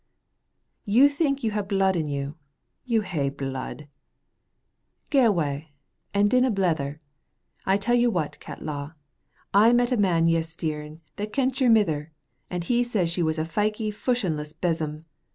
You think you have blood in you. You ha'e blood! Gae awa, and dinna blether. I tell you what, Catlaw, I met a man yestreen that kent your mither, and he says she was a feikie, fushionless besom.